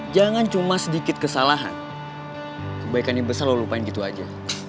jangan cuma sedikit kesalahan kebaikan yang besar lo lupain gitu aja